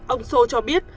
ông sô cho biết